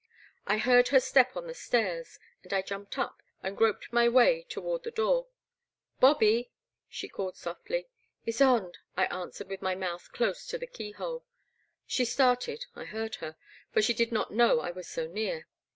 I heard her step on the stairs, and I jumped up and groped my way toward the door. *' Bobby, she called softly. Ysonde, I answered, with my mouth dose to the key hole. She started — I heard her — for she did not know I was so near.